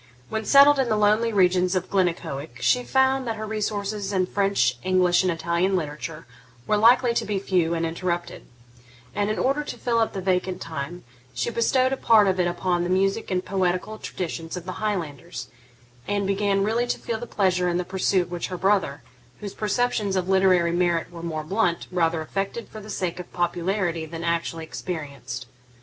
When settled in the lonely regions of Glennaquoich, she found that her resources in French, English, and Italian literature were likely to be few and interrupted; and, in order to fill up the vacant time, she bestowed a part of it upon the music and poetical traditions of the Highlanders, and began really to feel the pleasure in the pursuit which her brother, whose perceptions of literary merit were more blunt, rather affected for the sake of popularity than actually experienced.